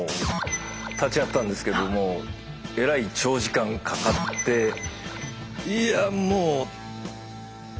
立ち会ったんですけどもえらい長時間かかっていやもう大変ですね。